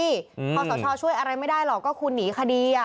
พอสชช่วยอะไรไม่ได้หรอกก็คุณหนีคดี